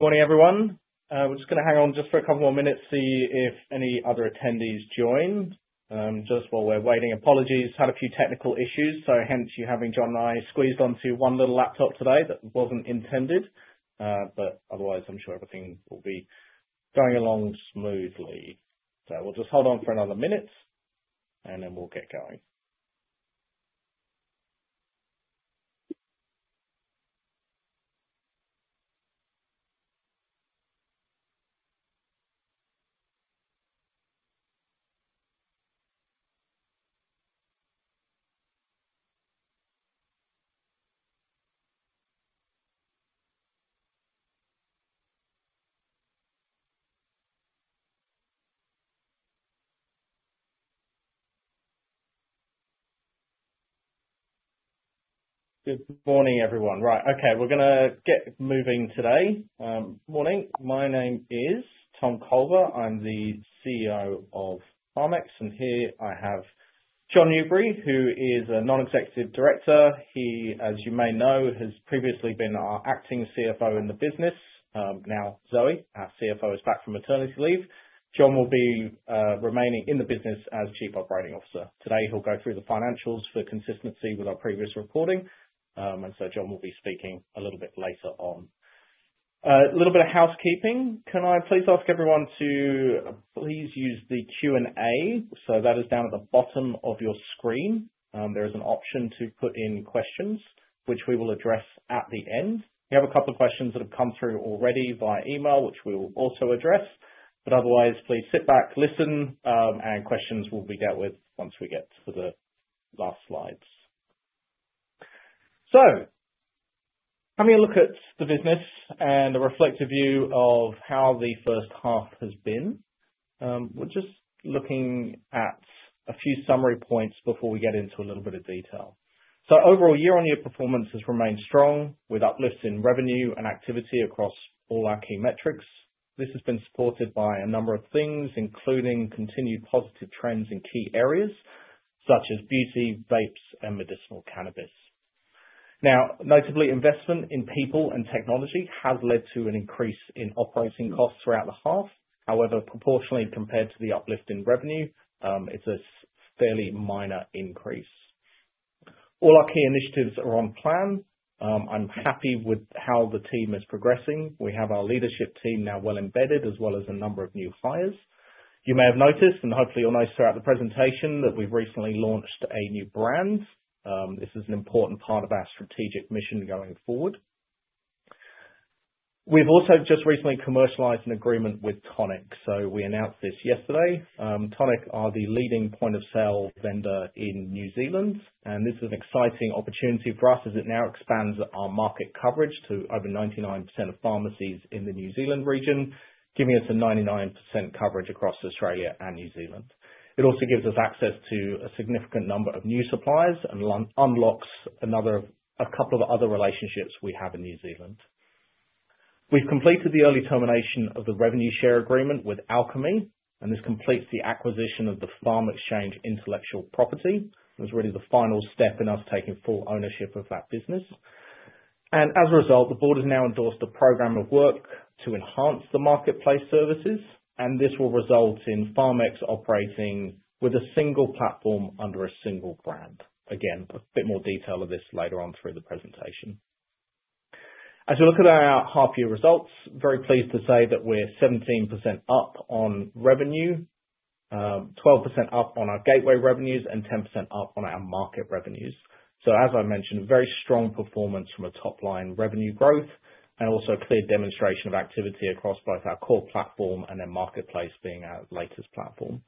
Morning, everyone. We're just going to hang on just for a couple more minutes, see if any other attendees join. Just while we're waiting, apologies, had a few technical issues, so hence you having Jon and I squeezed onto one little laptop today that wasn't intended. But otherwise, I'm sure everything will be going along smoothly. So we'll just hold on for another minute, and then we'll get going. Good morning, everyone. Right, okay, we're going to get moving today. Morning. My name is Tom Culver. I'm the CEO of PharmX, and here I have Jon Newbery, who is a non-executive director. He, as you may know, has previously been our acting CFO in the business. Now, Zoe, our CFO, is back from maternity leave. Jon will be remaining in the business as Chief Operating Officer. Today, he'll go through the financials for consistency with our previous reporting. Jon will be speaking a little bit later on. A little bit of housekeeping. Can I please ask everyone to please use the Q&A? So that is down at the bottom of your screen. There is an option to put in questions, which we will address at the end. We have a couple of questions that have come through already via email, which we will also address. But otherwise, please sit back, listen, and questions will be dealt with once we get to the last slides. Having a look at the business and a reflective view of how the first half has been, we're just looking at a few summary points before we get into a little bit of detail. Overall, year-over-year performance has remained strong with uplifts in revenue and activity across all our key metrics. This has been supported by a number of things, including continued positive trends in key areas such as beauty, vapes, and medicinal cannabis. Now, notably, investment in people and technology has led to an increase in operating costs throughout the half. However, proportionally compared to the uplift in revenue, it's a fairly minor increase. All our key initiatives are on plan. I'm happy with how the team is progressing. We have our leadership team now well embedded, as well as a number of new hires. You may have noticed, and hopefully you'll notice throughout the presentation, that we've recently launched a new brand. This is an important part of our strategic mission going forward. We've also just recently commercialized an agreement with Toniq. So we announced this yesterday. Toniq are the leading point-of-sale vendor in New Zealand, and this is an exciting opportunity for us as it now expands our market coverage to over 99% of pharmacies in the New Zealand region, giving us a 99% coverage across Australia and New Zealand. It also gives us access to a significant number of new suppliers and unlocks a couple of other relationships we have in New Zealand. We've completed the early termination of the revenue share agreement with Alchemy, and this completes the acquisition of the PharmX Intellectual Property. It was really the final step in us taking full ownership of that business. As a result, the board has now endorsed a program of work to enhance the marketplace services, and this will result in PharmX operating with a single platform under a single brand. Again, a bit more detail of this later on through the presentation. As we look at our half-year results, very pleased to say that we're 17% up on revenue, 12% up on our gateway revenues, and 10% up on our market revenues. As I mentioned, very strong performance from a top-line revenue growth and also a clear demonstration of activity across both our core platform and then marketplace being our latest platform.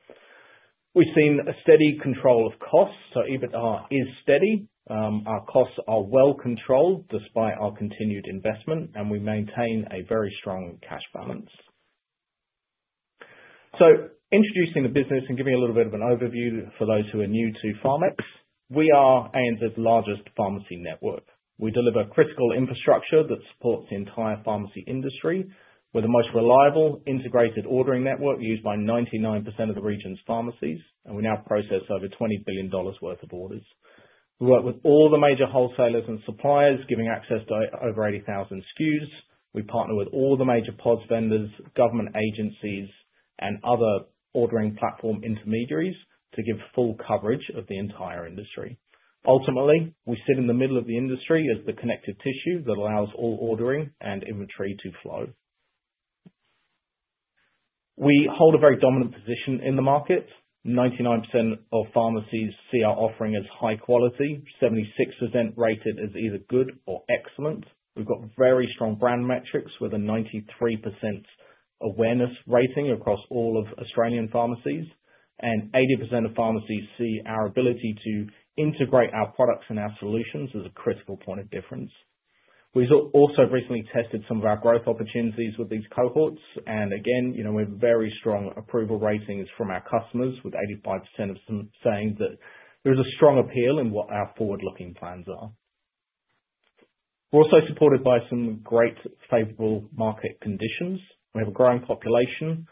We've seen a steady control of costs, so EBITDA is steady. Our costs are well controlled despite our continued investment, and we maintain a very strong cash balance. Introducing the business and giving a little bit of an overview for those who are new to PharmX, we are ANZ's largest pharmacy network. We deliver critical infrastructure that supports the entire pharmacy industry. We're the most reliable integrated ordering network used by 99% of the region's pharmacies, and we now process over 20 billion dollars worth of orders. We work with all the major wholesalers and suppliers, giving access to over 80,000 SKUs. We partner with all the major POS vendors, government agencies, and other ordering platform intermediaries to give full coverage of the entire industry. Ultimately, we sit in the middle of the industry as the connective tissue that allows all ordering and inventory to flow. We hold a very dominant position in the market. 99% of pharmacies see our offering as high quality, 76% rate it as either good or excellent. We've got very strong brand metrics with a 93% awareness rating across all of Australian pharmacies, and 80% of pharmacies see our ability to integrate our products and our solutions as a critical point of difference. We also recently tested some of our growth opportunities with these cohorts, and again, we have very strong approval ratings from our customers, with 85% of them saying that there's a strong appeal in what our forward-looking plans are. We're also supported by some great favorable market conditions. We have a growing population,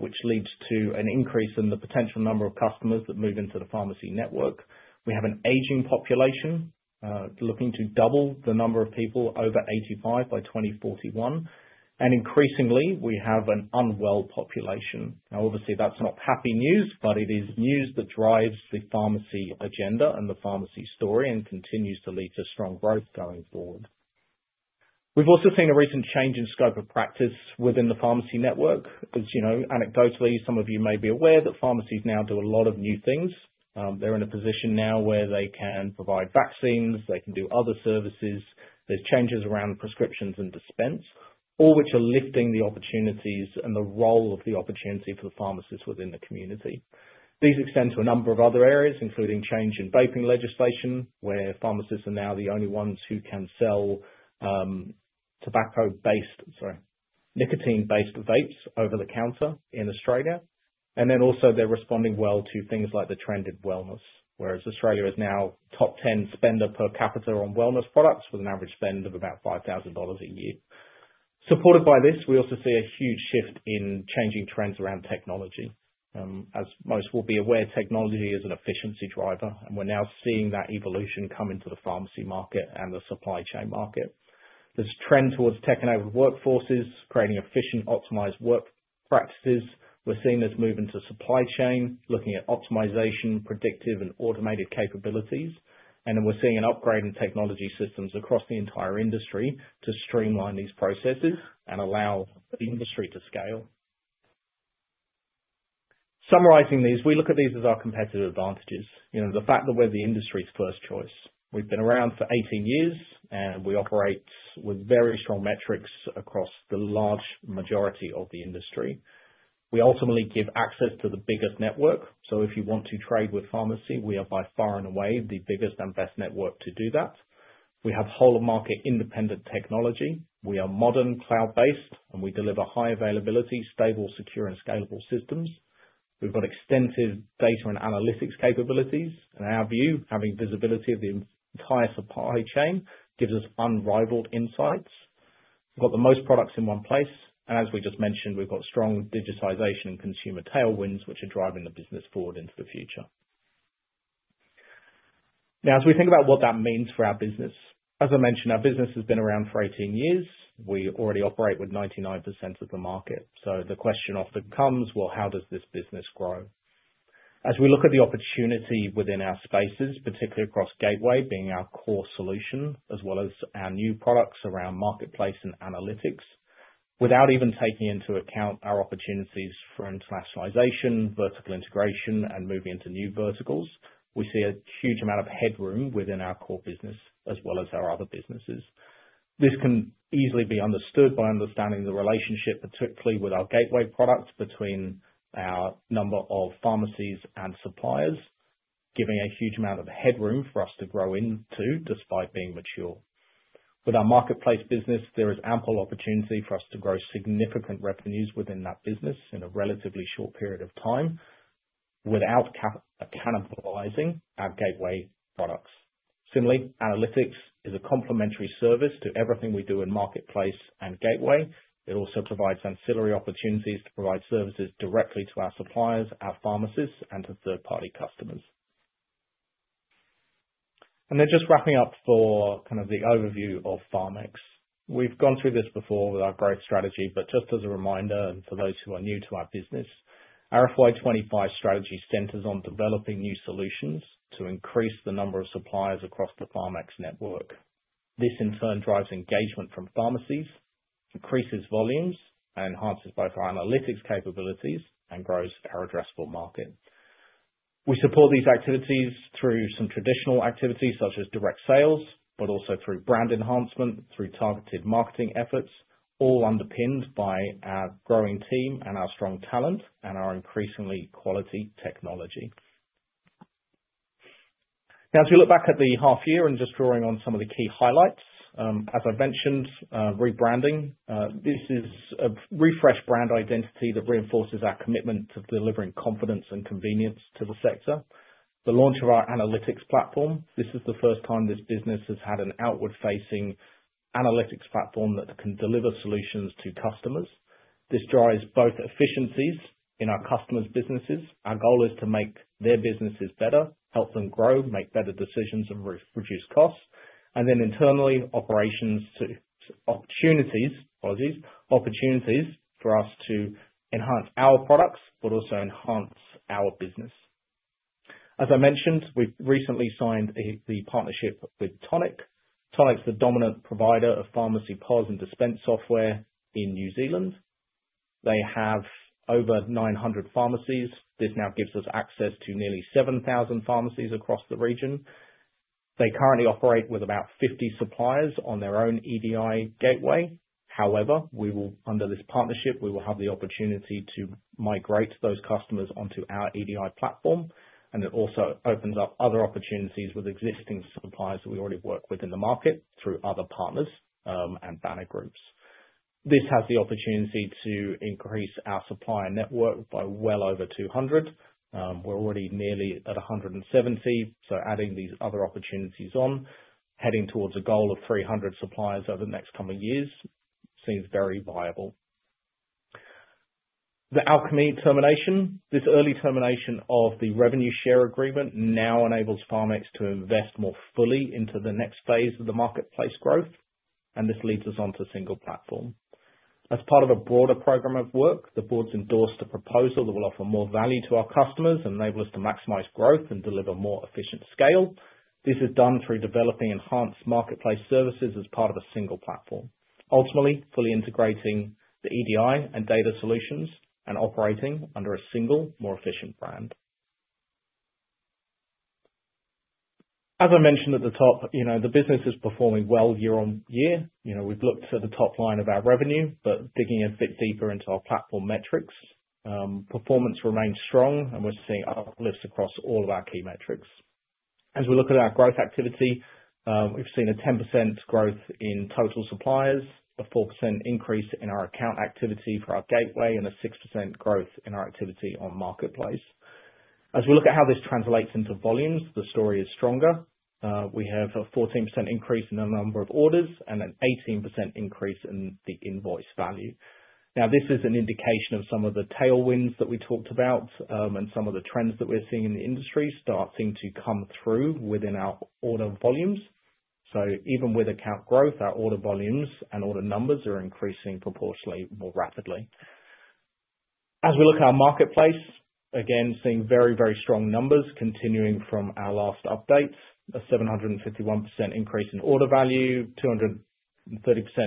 which leads to an increase in the potential number of customers that move into the pharmacy network. We have an aging population looking to double the number of people over 85 by 2041, and increasingly, we have an unwell population. Now, obviously, that's not happy news, but it is news that drives the pharmacy agenda and the pharmacy story and continues to lead to strong growth going forward. We've also seen a recent change in scope of practice within the pharmacy network. Anecdotally, some of you may be aware that pharmacies now do a lot of new things. They're in a position now where they can provide vaccines, they can do other services. There's changes around prescriptions and dispense, all which are lifting the opportunities and the role of the opportunity for the pharmacist within the community. These extend to a number of other areas, including change in vaping legislation, where pharmacists are now the only ones who can sell tobacco-based, sorry, nicotine-based vapes over the counter in Australia. And then also, they're responding well to things like the trend in wellness, whereas Australia is now top 10 spender per capita on wellness products with an average spend of about 5,000 dollars a year. Supported by this, we also see a huge shift in changing trends around technology. As most will be aware, technology is an efficiency driver, and we're now seeing that evolution come into the pharmacy market and the supply chain market. There's a trend towards tech-enabled workforces creating efficient, optimized work practices. We're seeing this move into supply chain, looking at optimization, predictive, and automated capabilities. And then we're seeing an upgrade in technology systems across the entire industry to streamline these processes and allow the industry to scale. Summarizing these, we look at these as our competitive advantages. The fact that we're the industry's first choice. We've been around for 18 years, and we operate with very strong metrics across the large majority of the industry. We ultimately give access to the biggest network. So if you want to trade with pharmacy, we are by far and away the biggest and best network to do that. We have whole-of-market independent technology. We are modern, cloud-based, and we deliver high availability, stable, secure, and scalable systems. We've got extensive data and analytics capabilities. In our view, having visibility of the entire supply chain gives us unrivaled insights. We've got the most products in one place. And as we just mentioned, we've got strong digitization and consumer tailwinds which are driving the business forward into the future. Now, as we think about what that means for our business, as I mentioned, our business has been around for 18 years. We already operate with 99% of the market. So the question often comes, well, how does this business grow? As we look at the opportunity within our spaces, particularly across Gateway, being our core solution, as well as our new products around Marketplace and Analytics, without even taking into account our opportunities for internationalization, vertical integration, and moving into new verticals, we see a huge amount of headroom within our core business, as well as our other businesses. This can easily be understood by understanding the relationship, particularly with our Gateway product, between our number of pharmacies and suppliers, giving a huge amount of headroom for us to grow into, despite being mature. With our Marketplace business, there is ample opportunity for us to grow significant revenues within that business in a relatively short period of time without cannibalizing our Gateway products. Similarly, Analytics is a complementary service to everything we do in Marketplace and Gateway. It also provides ancillary opportunities to provide services directly to our suppliers, our pharmacists, and to third-party customers. And then just wrapping up for kind of the overview of PharmX, we've gone through this before with our growth strategy, but just as a reminder, and for those who are new to our business, our FY 2025 strategy centers on developing new solutions to increase the number of suppliers across the PharmX network. This, in turn, drives engagement from pharmacies, increases volumes, and enhances both our analytics capabilities and grows our addressable market. We support these activities through some traditional activities such as direct sales, but also through brand enhancement, through targeted marketing efforts, all underpinned by our growing team and our strong talent and our increasingly quality technology. Now, as we look back at the half year and just drawing on some of the key highlights, as I've mentioned, rebranding. This is a refreshed brand identity that reinforces our commitment to delivering confidence and convenience to the sector. The launch of our analytics platform, this is the first time this business has had an outward-facing analytics platform that can deliver solutions to customers. This drives both efficiencies in our customers' businesses. Our goal is to make their businesses better, help them grow, make better decisions, and reduce costs. And then internally, operations to opportunities, apologies, opportunities for us to enhance our products, but also enhance our business. As I mentioned, we've recently signed the partnership with Toniq. Toniq's the dominant provider of pharmacy POS and dispense software in New Zealand. They have over 900 pharmacies. This now gives us access to nearly 7,000 pharmacies across the region. They currently operate with about 50 suppliers on their own EDI Gateway. However, under this partnership, we will have the opportunity to migrate those customers onto our EDI platform, and it also opens up other opportunities with existing suppliers that we already work with in the market through other partners and banner groups. This has the opportunity to increase our supplier network by well over 200. We're already nearly at 170. So adding these other opportunities on, heading towards a goal of 300 suppliers over the next couple of years seems very viable. The Alchemy termination, this early termination of the revenue share agreement, now enables PharmX to invest more fully into the next phase of the marketplace growth, and this leads us on to a single platform. As part of a broader program of work, the board's endorsed a proposal that will offer more value to our customers and enable us to maximize growth and deliver more efficient scale. This is done through developing enhanced Marketplace services as part of a single platform, ultimately fully integrating the EDI and data solutions and operating under a single, more efficient brand. As I mentioned at the top, the business is performing well year on year. We've looked at the top line of our revenue, but digging a bit deeper into our platform metrics, performance remains strong, and we're seeing uplifts across all of our key metrics. As we look at our growth activity, we've seen a 10% growth in total suppliers, a 4% increase in our account activity for our Gateway, and a 6% growth in our activity on Marketplace. As we look at how this translates into volumes, the story is stronger. We have a 14% increase in the number of orders and an 18% increase in the invoice value. Now, this is an indication of some of the tailwinds that we talked about and some of the trends that we're seeing in the industry starting to come through within our order volumes. So even with account growth, our order volumes and order numbers are increasing proportionately more rapidly. As we look at our marketplace, again, seeing very, very strong numbers continuing from our last update, a 751% increase in order value, 230%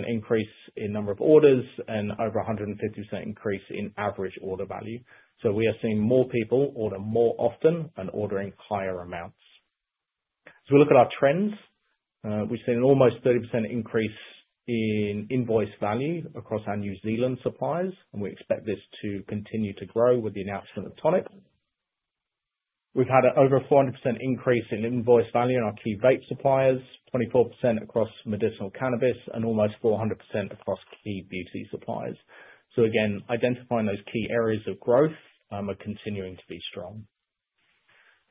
increase in number of orders, and over 150% increase in average order value. So we are seeing more people order more often and ordering higher amounts. As we look at our trends, we've seen an almost 30% increase in invoice value across our New Zealand suppliers, and we expect this to continue to grow with the announcement of Toniq. We've had an over 400% increase in invoice value in our key vape suppliers, 24% across medicinal cannabis, and almost 400% across key beauty suppliers. So again, identifying those key areas of growth are continuing to be strong.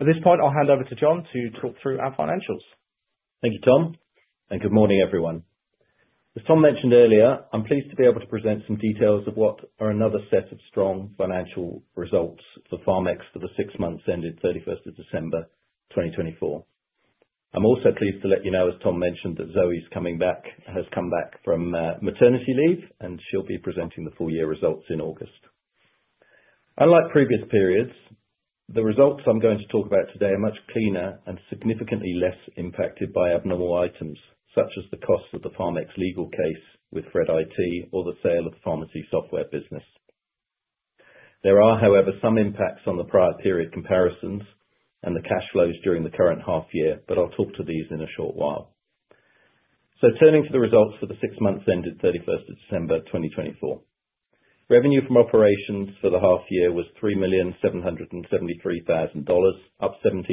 At this point, I'll hand over to Jon to talk through our financials. Thank you, Tom, and good morning, everyone. As Tom mentioned earlier, I'm pleased to be able to present some details of what are another set of strong financial results for PharmX for the six months ended 31st of December 2024. I'm also pleased to let you know, as Tom mentioned, that Zoe's coming back, has come back from maternity leave, and she'll be presenting the full year results in August. Unlike previous periods, the results I'm going to talk about today are much cleaner and significantly less impacted by abnormal items such as the cost of the PharmX legal case with Fred IT or the sale of the pharmacy software business. There are, however, some impacts on the prior period comparisons and the cash flows during the current half year, but I'll talk to these in a short while. Turning to the results for the six months ended 31st of December 2024, revenue from operations for the half year was 3,773,000 dollars, up 17%,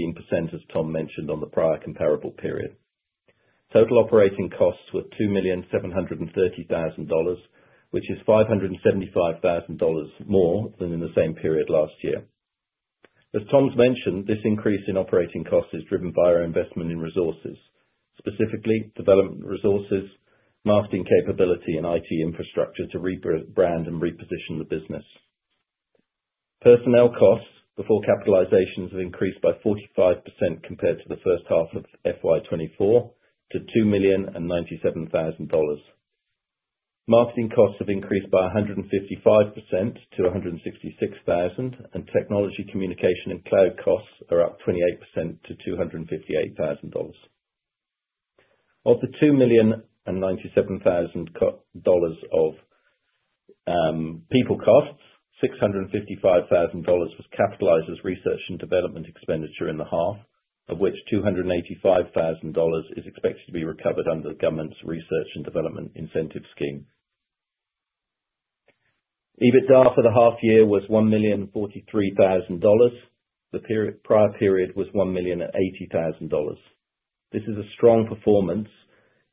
as Tom mentioned on the prior comparable period. Total operating costs were 2,730,000 dollars, which is 575,000 dollars more than in the same period last year. As Tom mentioned, this increase in operating costs is driven by our investment in resources, specifically development resources, marketing capability, and IT infrastructure to rebrand and reposition the business. Personnel costs, before capitalizations, have increased by 45% compared to the first half of FY 2024 to 2,097,000 dollars. Marketing costs have increased by 155% to 166,000, and technology, communication, and cloud costs are up 28% to 258,000 dollars. Of the 2,097,000 dollars of people costs, 655,000 dollars was capitalized as research and development expenditure in the half, of which 285,000 dollars is expected to be recovered under the government's research and development incentive scheme. EBITDA for the half year was 1,043,000 dollars. The prior period was 1,080,000 dollars. This is a strong performance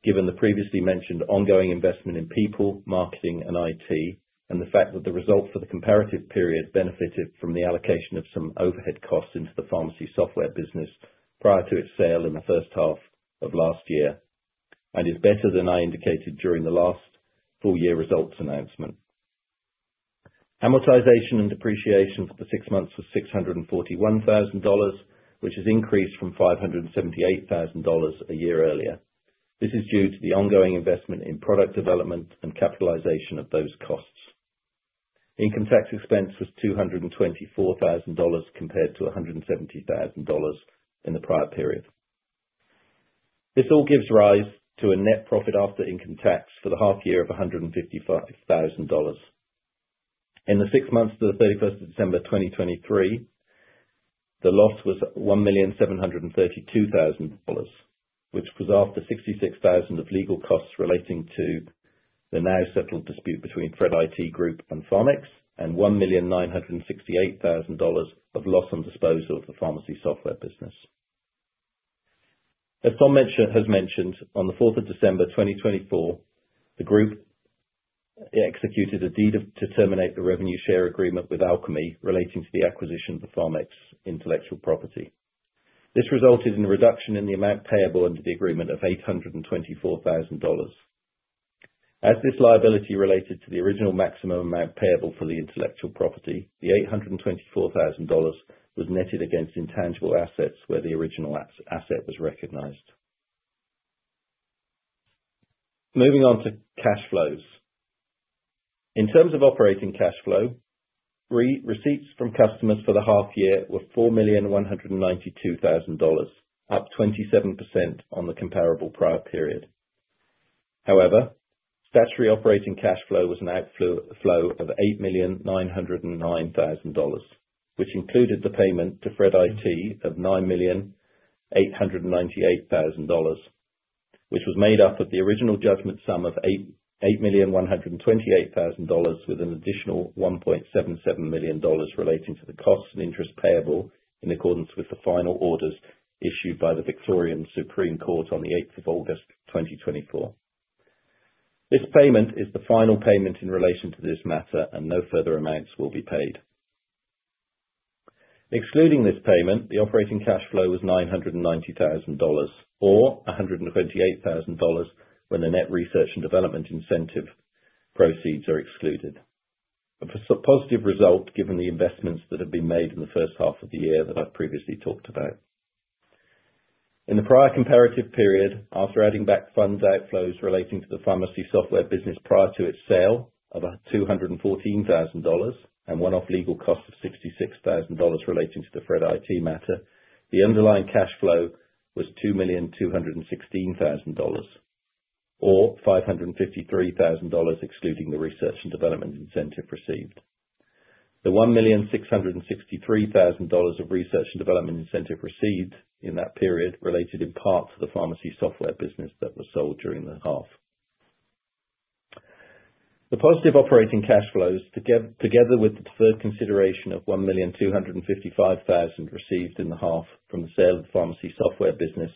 given the previously mentioned ongoing investment in people, marketing, and IT, and the fact that the result for the comparative period benefited from the allocation of some overhead costs into the pharmacy software business prior to its sale in the first half of last year and is better than I indicated during the last full year results announcement. Amortization and depreciation for the six months was 641,000 dollars, which has increased from 578,000 dollars a year earlier. This is due to the ongoing investment in product development and capitalization of those costs. Income tax expense was 224,000 dollars compared to 170,000 dollars in the prior period. This all gives rise to a net profit after income tax for the half year of 155,000 dollars. In the six months to the 31st of December 2023, the loss was 1,732,000 dollars, which was after 66,000 of legal costs relating to the now settled dispute between Fred IT Group and PharmX and 1,968,000 dollars of loss on disposal of the pharmacy software business. As Tom has mentioned, on the 4th of December 2024, the group executed a deed to terminate the revenue share agreement with Alchemy relating to the acquisition of the PharmX Intellectual Property. This resulted in a reduction in the amount payable under the agreement of 824,000 dollars. As this liability related to the original maximum amount payable for the intellectual property, the 824,000 dollars was netted against intangible assets where the original asset was recognized. Moving on to cash flows. In terms of operating cash flow, receipts from customers for the half year were 4,192,000 dollars, up 27% on the comparable prior period. However, statutory operating cash flow was an outflow of 8,909,000 dollars, which included the payment to Fred IT of 9,898,000 dollars, which was made up of the original judgment sum of 8,128,000 dollars with an additional 1,770,000 dollars relating to the costs and interest payable in accordance with the final orders issued by the Victorian Supreme Court on the 8th of August 2024. This payment is the final payment in relation to this matter, and no further amounts will be paid. Excluding this payment, the operating cash flow was 990,000 dollars or 128,000 dollars when the net research and development incentive proceeds are excluded. A positive result given the investments that have been made in the first half of the year that I've previously talked about. In the prior comparative period, after adding back funds outflows relating to the pharmacy software business prior to its sale of 214,000 dollars and one-off legal cost of 66,000 dollars relating to the Fred IT Group matter, the underlying cash flow was 2,216,000 dollars or 553,000 dollars excluding the research and development incentive received. The 1,663,000 dollars of research and development incentive received in that period related in part to the pharmacy software business that was sold during the half. The positive operating cash flows, together with the third consideration of 1,255,000 received in the half from the sale of the pharmacy software business,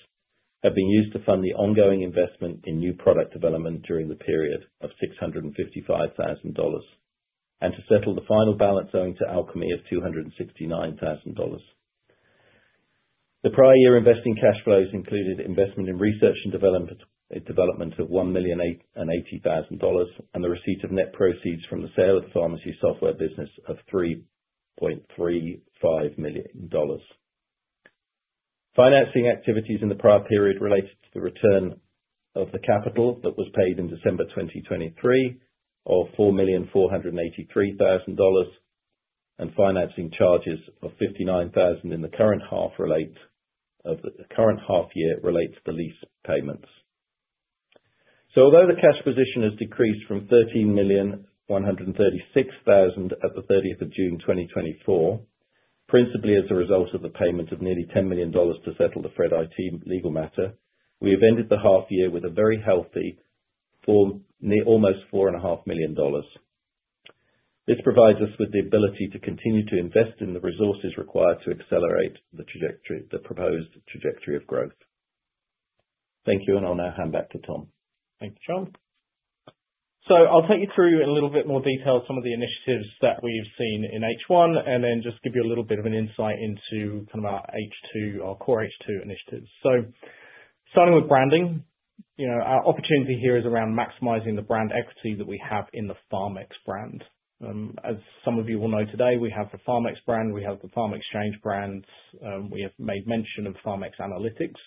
have been used to fund the ongoing investment in new product development during the period of 655,000 dollars and to settle the final balance owing to Alchemy of 269,000 dollars. The prior year investing cash flows included investment in research and development of 1,080,000 dollars and the receipt of net proceeds from the sale of the pharmacy software business of 3.35 million dollars. Financing activities in the prior period related to the return of the capital that was paid in December 2023 of 4,483,000 dollars and financing charges of 59,000 in the current half relate to the lease payments. So although the cash position has decreased from 13,136,000 at the 30th of June 2024, principally as a result of the payment of nearly 10 million dollars to settle the Fred IT Group legal matter, we have ended the half year with a very healthy almost 4.5 million dollars. This provides us with the ability to continue to invest in the resources required to accelerate the proposed trajectory of growth. Thank you, and I'll now hand back to Tom. Thank you, Jon. So I'll take you through in a little bit more detail some of the initiatives that we've seen in H1 and then just give you a little bit of an insight into kind of our H2, our core H2 initiatives. So starting with branding, our opportunity here is around maximizing the brand equity that we have in the PharmX brand. As some of you will know today, we have the PharmX brand, we have the PharmXchange brands, we have made mention of PharmX Analytics.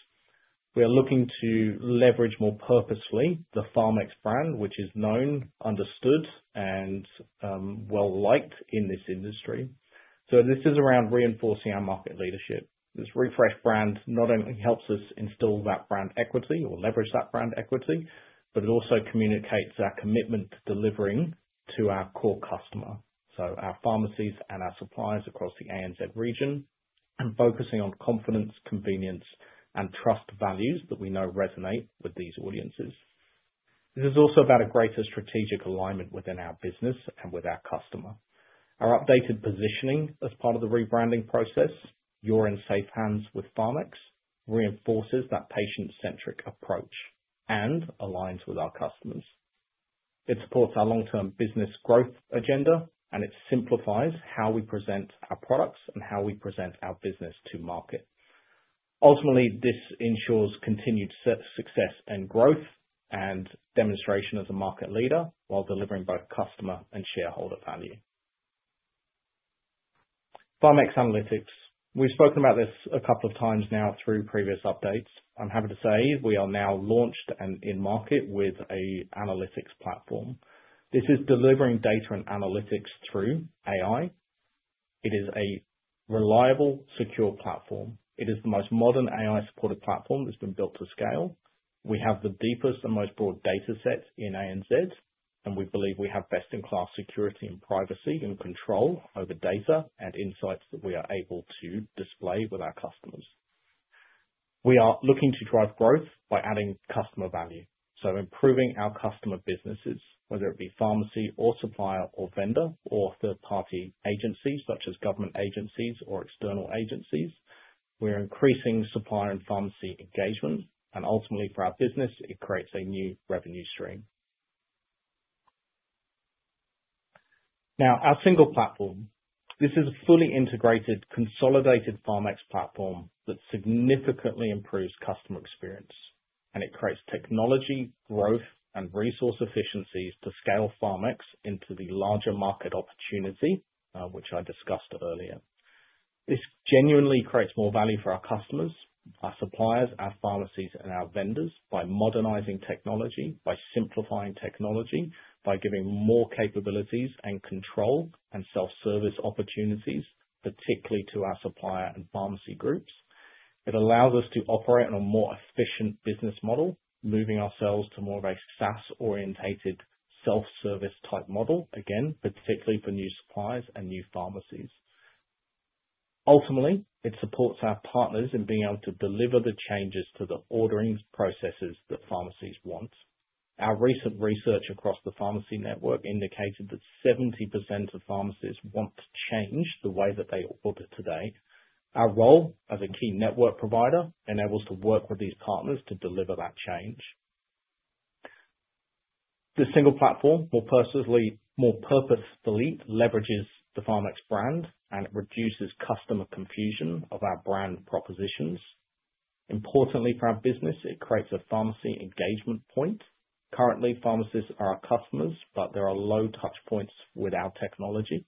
We are looking to leverage more purposefully the PharmX brand, which is known, understood, and well-liked in this industry, so this is around reinforcing our market leadership. This refreshed brand not only helps us instill that brand equity or leverage that brand equity, but it also communicates our commitment to delivering to our core customer, so our pharmacies and our suppliers across the ANZ region, and focusing on confidence, convenience, and trust values that we know resonate with these audiences. This is also about a greater strategic alignment within our business and with our customer. Our updated positioning as part of the rebranding process, you're in safe hands with PharmX, reinforces that patient-centric approach and aligns with our customers. It supports our long-term business growth agenda, and it simplifies how we present our products and how we present our business to market. Ultimately, this ensures continued success and growth and demonstration as a market leader while delivering both customer and shareholder value. PharmX Analytics, we've spoken about this a couple of times now through previous updates. I'm happy to say we are now launched and in market with an analytics platform. This is delivering data and analytics through AI. It is a reliable, secure platform. It is the most modern AI-supported platform that's been built to scale. We have the deepest and most broad data sets in ANZ, and we believe we have best-in-class security and privacy and control over data and insights that we are able to display with our customers. We are looking to drive growth by adding customer value. Improving our customer businesses, whether it be pharmacy or supplier or vendor or third-party agencies such as government agencies or external agencies, we're increasing supplier and pharmacy engagement, and ultimately for our business, it creates a new revenue stream. Now, our single platform, this is a fully integrated, consolidated PharmX platform that significantly improves customer experience, and it creates technology, growth, and resource efficiencies to scale PharmX into the larger market opportunity, which I discussed earlier. This genuinely creates more value for our customers, our suppliers, our pharmacies, and our vendors by modernizing technology, by simplifying technology, by giving more capabilities and control and self-service opportunities, particularly to our supplier and pharmacy groups. It allows us to operate on a more efficient business model, moving ourselves to more of a SaaS-orientated self-service type model, again, particularly for new suppliers and new pharmacies. Ultimately, it supports our partners in being able to deliver the changes to the ordering processes that pharmacies want. Our recent research across the pharmacy network indicated that 70% of pharmacies want to change the way that they order today. Our role as a key network provider enables us to work with these partners to deliver that change. The single platform more purposefully leverages the PharmX brand, and it reduces customer confusion of our brand propositions. Importantly for our business, it creates a pharmacy engagement point. Currently, pharmacies are our customers, but there are low touch points with our technology.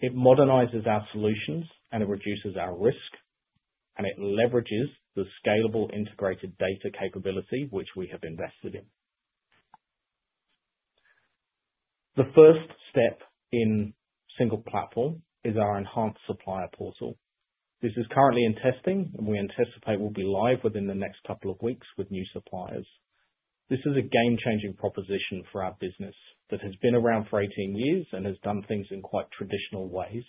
It modernizes our solutions, and it reduces our risk, and it leverages the scalable integrated data capability which we have invested in. The first step in single platform is our enhanced supplier portal. This is currently in testing, and we anticipate will be live within the next couple of weeks with new suppliers. This is a game-changing proposition for our business that has been around for 18 years and has done things in quite traditional ways.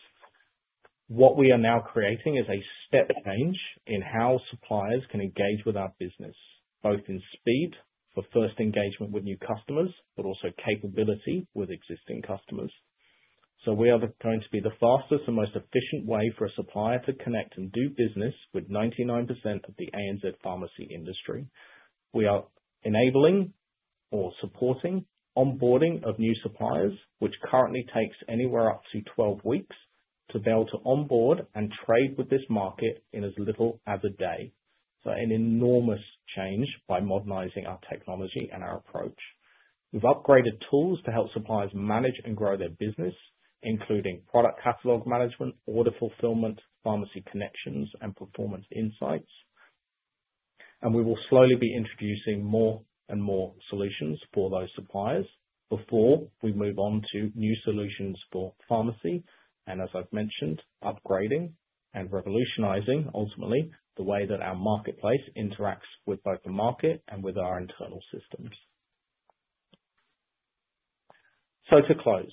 What we are now creating is a step change in how suppliers can engage with our business, both in speed for first engagement with new customers, but also capability with existing customers. So we are going to be the fastest and most efficient way for a supplier to connect and do business with 99% of the ANZ pharmacy industry. We are enabling or supporting onboarding of new suppliers, which currently takes anywhere up to 12 weeks to be able to onboard and trade with this market in as little as a day. So an enormous change by modernizing our technology and our approach. We've upgraded tools to help suppliers manage and grow their business, including product catalog management, order fulfillment, pharmacy connections, and performance insights. And we will slowly be introducing more and more solutions for those suppliers before we move on to new solutions for pharmacy and, as I've mentioned, upgrading and revolutionizing ultimately the way that our Marketplace interacts with both the market and with our internal systems. So to close,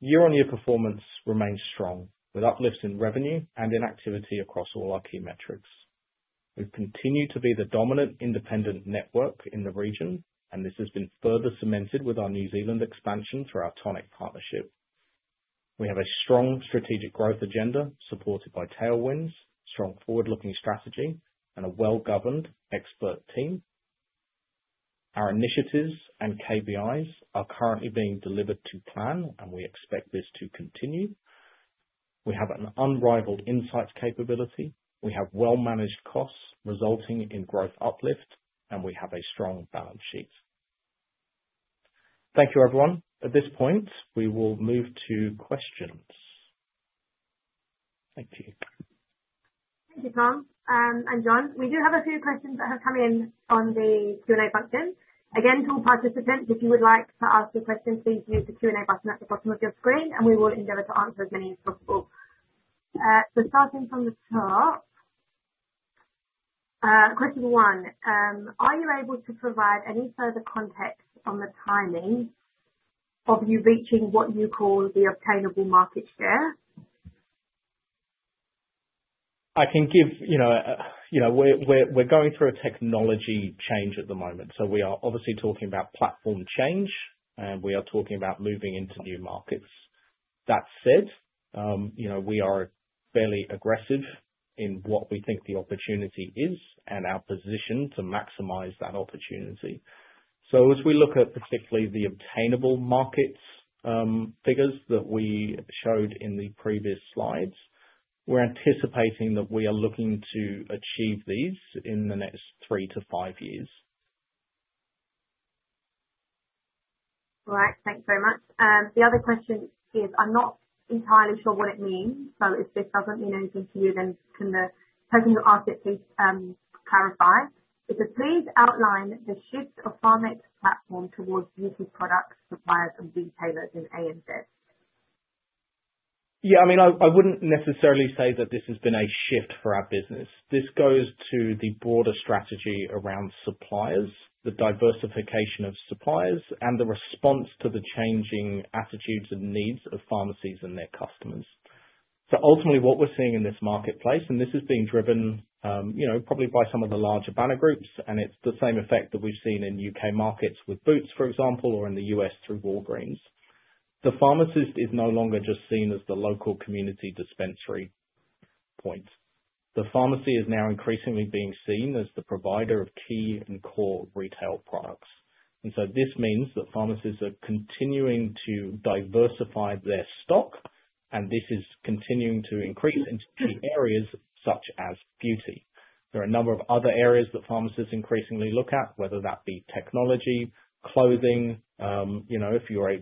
year-on-year performance remains strong with uplifts in revenue and in activity across all our key metrics. We've continued to be the dominant independent network in the region, and this has been further cemented with our New Zealand expansion through our Toniq partnership. We have a strong strategic growth agenda supported by tailwinds, strong forward-looking strategy, and a well-governed expert team. Our initiatives and KBIs are currently being delivered to plan, and we expect this to continue. We have an unrivaled insights capability. We have well-managed costs resulting in growth uplift, and we have a strong balance sheet. Thank you, everyone. At this point, we will move to questions. Thank you. Thank you, Tom and Jon. We do have a few questions that have come in on the Q&A function. Again, to all participants, if you would like to ask a question, please use the Q&A button at the bottom of your screen, and we will endeavor to answer as many as possible. So starting from the top, question one, are you able to provide any further context on the timing of you reaching what you call the obtainable market share? I can give you, you know, we're going through a technology change at the moment. So we are obviously talking about platform change, and we are talking about moving into new markets. That said, we are fairly aggressive in what we think the opportunity is and our position to maximize that opportunity. So as we look at particularly the obtainable markets figures that we showed in the previous slides, we're anticipating that we are looking to achieve these in the next three to five years. All right. Thanks very much. The other question is, I'm not entirely sure what it means. So if this doesn't mean anything to you, then can the person who asked it please clarify? It says, "Please outline the shift of PharmX platform towards UP product suppliers and retailers in ANZ." Yeah, I mean, I wouldn't necessarily say that this has been a shift for our business. This goes to the broader strategy around suppliers, the diversification of suppliers, and the response to the changing attitudes and needs of pharmacies and their customers. So ultimately, what we're seeing in this marketplace, and this is being driven probably by some of the larger banner groups, and it's the same effect that we've seen in U.K. markets with Boots, for example, or in the U.S. through Walgreens. The pharmacist is no longer just seen as the local community dispensary point. The pharmacy is now increasingly being seen as the provider of key and core retail products. And so this means that pharmacies are continuing to diversify their stock, and this is continuing to increase into key areas such as beauty. There are a number of other areas that pharmacies increasingly look at, whether that be technology, clothing. If you're a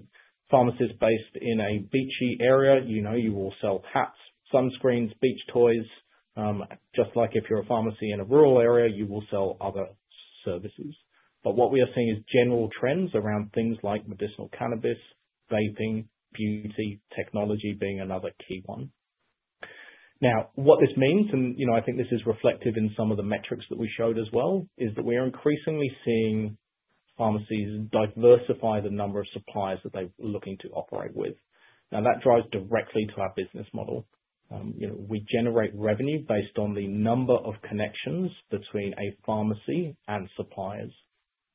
pharmacist based in a beachy area, you will sell hats, sunscreens, beach toys. Just like if you're a pharmacy in a rural area, you will sell other services. But what we are seeing is general trends around things like medicinal cannabis, vaping, beauty, technology being another key one. Now, what this means, and I think this is reflective in some of the metrics that we showed as well, is that we are increasingly seeing pharmacies diversify the number of suppliers that they're looking to operate with. Now, that drives directly to our business model. We generate revenue based on the number of connections between a pharmacy and suppliers.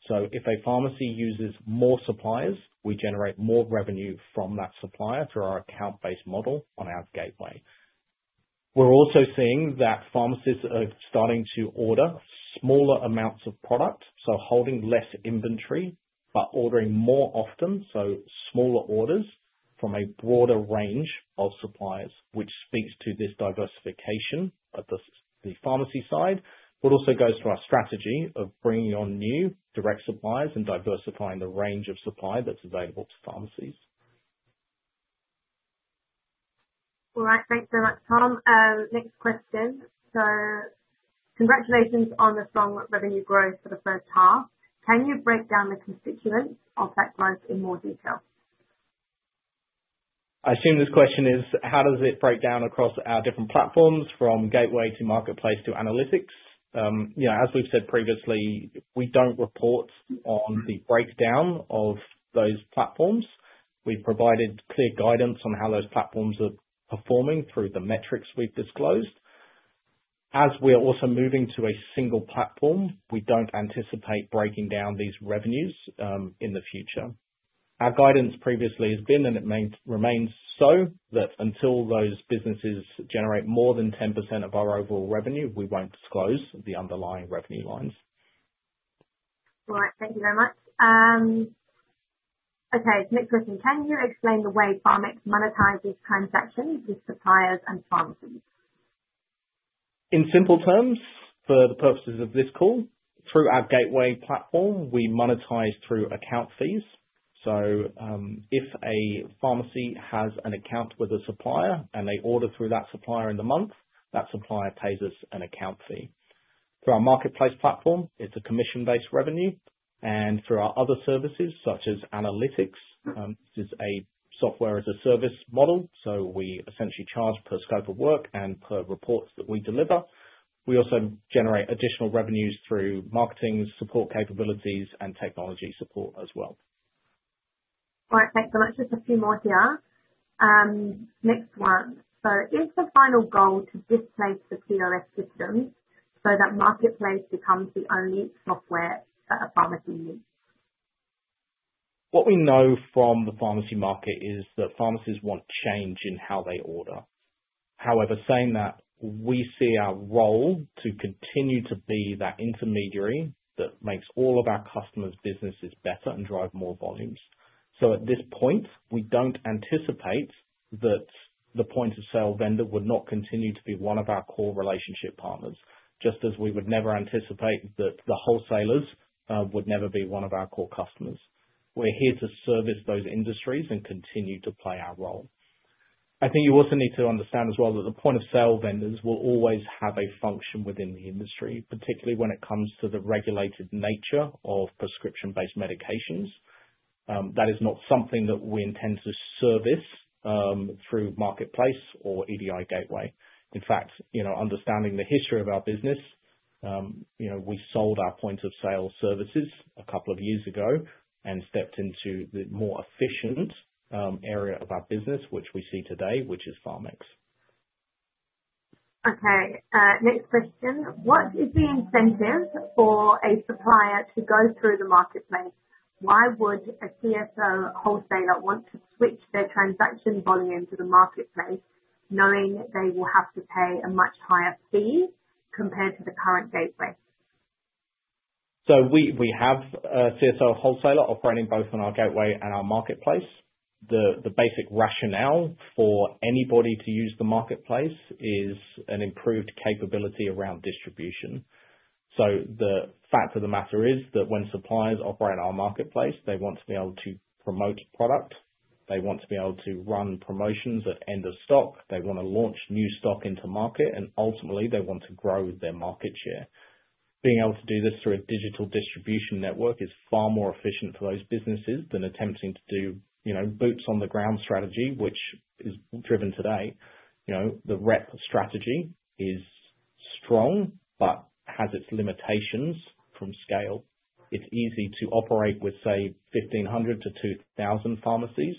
So if a pharmacy uses more suppliers, we generate more revenue from that supplier through our account-based model on our gateway. We're also seeing that pharmacies are starting to order smaller amounts of product, so holding less inventory, but ordering more often, so smaller orders from a broader range of suppliers, which speaks to this diversification at the pharmacy side, but also goes through our strategy of bringing on new direct suppliers and diversifying the range of supply that's available to pharmacies. All right. Thanks so much, Tom. Next question. So congratulations on the strong revenue growth for the first half. Can you break down the constituents of that growth in more detail? I assume this question is, how does it break down across our different platforms from gateway to marketplace to analytics? As we've said previously, we don't report on the breakdown of those platforms. We've provided clear guidance on how those platforms are performing through the metrics we've disclosed. As we're also moving to a single platform, we don't anticipate breaking down these revenues in the future. Our guidance previously has been, and it remains so, that until those businesses generate more than 10% of our overall revenue, we won't disclose the underlying revenue lines. All right. Thank you very much. Okay. Next question. Can you explain the way PharmX monetizes transactions with suppliers and pharmacies? In simple terms, for the purposes of this call, through our gateway platform, we monetize through account fees. So if a pharmacy has an account with a supplier and they order through that supplier in the month, that supplier pays us an account fee. Through our marketplace platform, it's a commission-based revenue. And through our other services, such as analytics, this is a software-as-a-service model. So we essentially charge per scope of work and per reports that we deliver. We also generate additional revenues through marketing support capabilities and technology support as well. All right. Thanks so much. Just a few more here. Next one. So is the final goal to displace the POS system so that marketplace becomes the only software that a pharmacy needs? What we know from the pharmacy market is that pharmacies want change in how they order. However, saying that, we see our role to continue to be that intermediary that makes all of our customers' businesses better and drive more volumes. So at this point, we don't anticipate that the point-of-sale vendor would not continue to be one of our core relationship partners, just as we would never anticipate that the wholesalers would never be one of our core customers. We're here to service those industries and continue to play our role. I think you also need to understand as well that the point-of-sale vendors will always have a function within the industry, particularly when it comes to the regulated nature of prescription-based medications. That is not something that we intend to service through marketplace or EDI gateway. In fact, understanding the history of our business, we sold our point-of-sale services a couple of years ago and stepped into the more efficient area of our business, which we see today, which is PharmX. Okay. Next question. What is the incentive for a supplier to go through the marketplace? Why would a CSO wholesaler want to switch their transaction volume to the marketplace, knowing they will have to pay a much higher fee compared to the current gateway? So we have a CSO wholesaler operating both on our gateway and our marketplace. The basic rationale for anybody to use the marketplace is an improved capability around distribution. So the fact of the matter is that when suppliers operate in our marketplace, they want to be able to promote product. They want to be able to run promotions at end-of-stock. They want to launch new stock into market, and ultimately, they want to grow their market share. Being able to do this through a digital distribution network is far more efficient for those businesses than attempting to do boots-on-the-ground strategy, which is driven today. The rep strategy is strong but has its limitations from scale. It's easy to operate with, say, 1,500-2,000 pharmacies,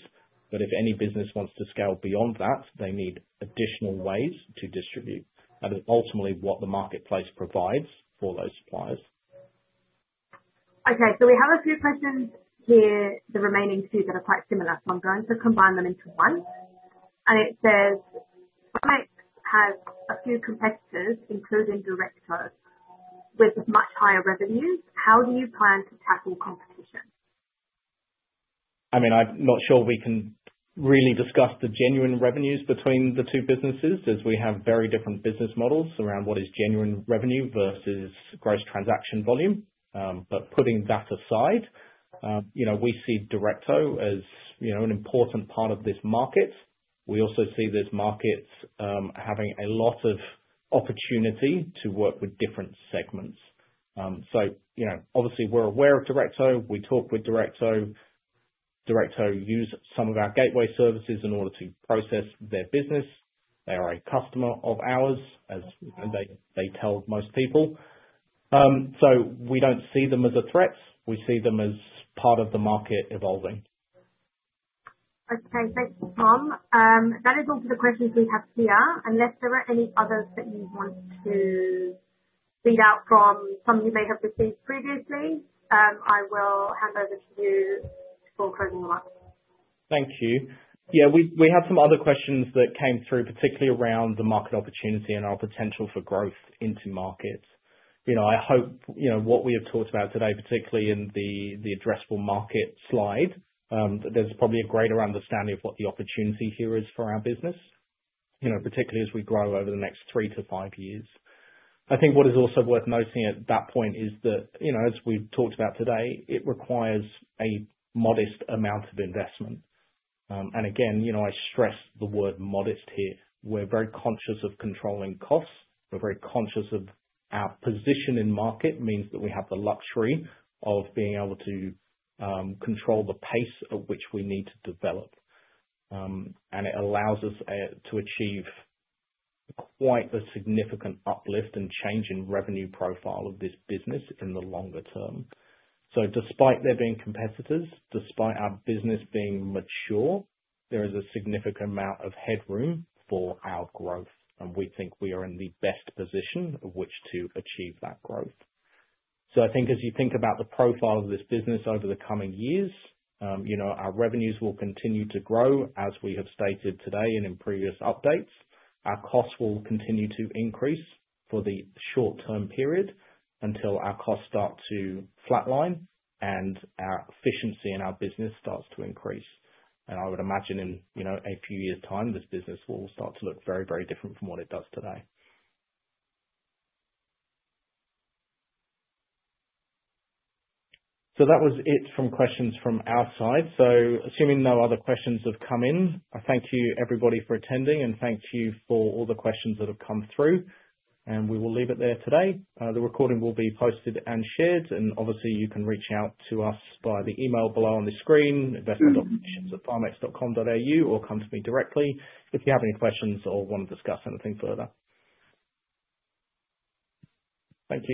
but if any business wants to scale beyond that, they need additional ways to distribute. That is ultimately what the marketplace provides for those suppliers. Okay. So we have a few questions here, the remaining two that are quite similar, so I'm going to combine them into one. And it says, "PharmX has a few competitors, including Directo, with much higher revenues. How do you plan to tackle competition?" I mean, I'm not sure we can really discuss the genuine revenues between the two businesses as we have very different business models around what is genuine revenue versus gross transaction volume. But putting that aside, we see Directo as an important part of this market. We also see this market having a lot of opportunity to work with different segments. So obviously, we're aware of Directo. We talk with Directo. Directo uses some of our gateway services in order to process their business. They are a customer of ours, as they tell most people. So we don't see them as a threat. We see them as part of the market evolving. Okay. Thanks, Tom. That is all for the questions we have here. Unless there are any others that you want to read out from some you may have received previously, I will hand over to you for closing remarks. Thank you. Yeah, we had some other questions that came through, particularly around the market opportunity and our potential for growth into markets. I hope what we have talked about today, particularly in the addressable market slide, that there's probably a greater understanding of what the opportunity here is for our business, particularly as we grow over the next three to five years. I think what is also worth noting at that point is that, as we've talked about today, it requires a modest amount of investment, and again, I stress the word modest here. We're very conscious of controlling costs. We're very conscious of our position in the market means that we have the luxury of being able to control the pace at which we need to develop, and it allows us to achieve quite a significant uplift and change in revenue profile of this business in the longer-term, so despite there being competitors, despite our business being mature, there is a significant amount of headroom for our growth, and we think we are in the best position of which to achieve that growth. So I think as you think about the profile of this business over the coming years, our revenues will continue to grow as we have stated today and in previous updates. Our costs will continue to increase for the short-term period until our costs start to flatline and our efficiency in our business starts to increase. And I would imagine in a few years' time, this business will start to look very, very different from what it does today. So that was it from questions from our side. So assuming no other questions have come in, I thank you, everybody, for attending, and thank you for all the questions that have come through. And we will leave it there today. The recording will be posted and shared. And obviously, you can reach out to us by the email below on the screen, investment.PharmX.com.au, or come to me directly if you have any questions or want to discuss anything further. Thank you.